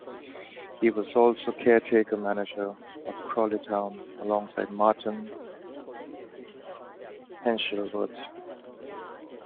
He was also caretaker manager of Crawley Town alongside Martin Hinshelwood.